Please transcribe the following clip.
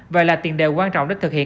và là tiền đều quan trọng để thực hiện